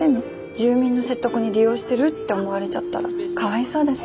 住民の説得に利用してるって思われちゃったらかわいそうだし。